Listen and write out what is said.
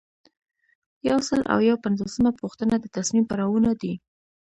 یو سل او یو پنځوسمه پوښتنه د تصمیم پړاوونه دي.